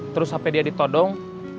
terus hp dia ditodong